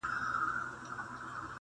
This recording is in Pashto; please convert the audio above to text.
په لاس کښې يې د ښکلي تربيې سيپاره نيشته